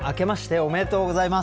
おめでとうございます。